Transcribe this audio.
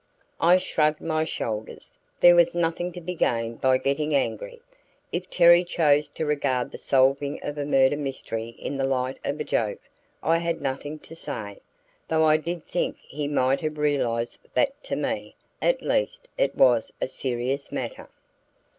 I shrugged my shoulders. There was nothing to be gained by getting angry. If Terry chose to regard the solving of a murder mystery in the light of a joke, I had nothing to say; though I did think he might have realized that to me, at least, it was a serious matter.